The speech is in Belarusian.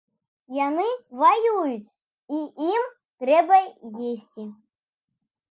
Яны ваююць, і ім трэба есці.